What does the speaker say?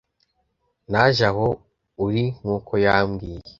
Naje aho uri nk'uko yambwiye